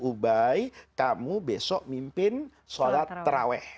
ubai kamu besok mimpin sholat terawih